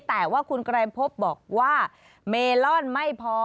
แต่ว่าคุณไกรพบบอกว่าเมลอนไม่พอ